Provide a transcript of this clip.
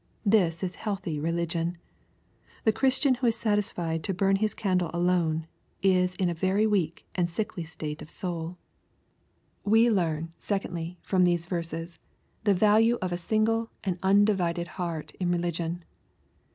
This is healthy religion ! The Christian who is satisfied to burn his candle alone, is in a very weak and sickly statQ of soul. LUKE, CHAP. XI. 39 We learn, secondly, from these vei ses, the value of a single and undivided heart in religion.